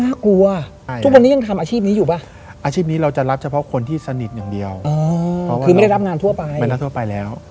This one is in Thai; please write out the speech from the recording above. กลัวทุกวันนี้ยังทำอาชีพนี้อยู่ป่ะอาชีพนี้เราจะรับเฉพาะคนที่สนิทอย่างเดียวคือไม่ได้รับงานทั่วไปไม่ได้รับทั่วไปแล้ว